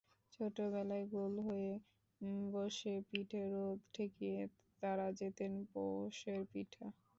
ছোটবেলায় গোল হয়ে বসে পিঠে রোদ ঠেকিয়ে তারা যেতেন পৌষের পিঠা।